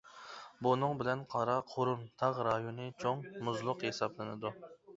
بۇنىڭ بىلەن قارا قۇرۇم تاغ رايونى چوڭ مۇزلۇق ھېسابلىنىدۇ.